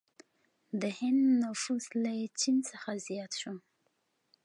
د هند نفوس له چین څخه زیات شو.